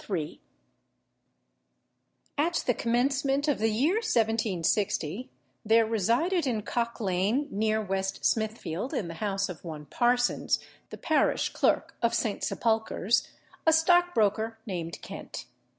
] At the commencement of the year 1760, there resided in Cock Lane, near West Smithfield, in the house of one Parsons, the parish clerk of St. Sepulchre's, a stockbroker, named Kent.